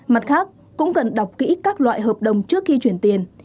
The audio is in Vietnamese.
mặt khác cũng cần đọc kỹ các loại hợp đồng trước khi chuyển tiền